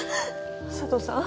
佐都さん？